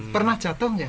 pernah jatuh nggak